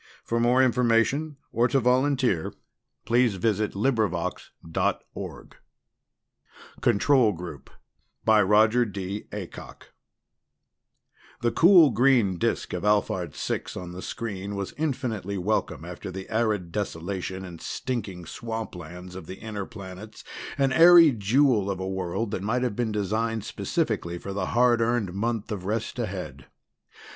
But did that include primitive humans? Or the Bees? Or a ..._ CONTROL GROUP By ROGER DEE The cool green disk of Alphard Six on the screen was infinitely welcome after the arid desolation and stinking swamplands of the inner planets, an airy jewel of a world that might have been designed specifically for the hard earned month of rest ahead.